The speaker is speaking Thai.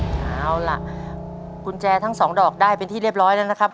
เอาล่ะกุญแจทั้งสองดอกได้เป็นที่เรียบร้อยแล้วนะครับ